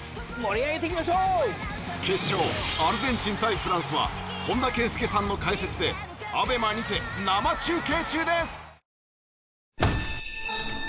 フランスは本田圭佑さんの解説でＡＢＥＭＡにて生中継中です！